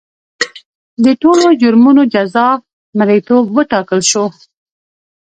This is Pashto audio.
د ټولو جرمونو جزا مریتوب وټاکل شوه.